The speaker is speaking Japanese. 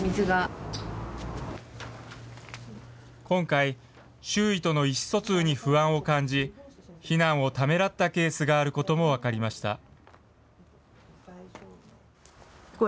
今回、周囲との意思疎通に不安を感じ、避難をためらったケースがあることも分かりました。